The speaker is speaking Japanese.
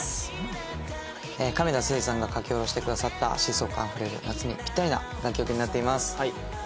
亀田誠治さんが書き下ろしてくださった疾走感あふれる夏にピッタリな楽曲になっています。